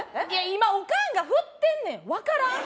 今おかんがふってんねん分からん？